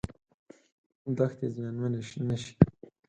دښتې زیانمنې نشي.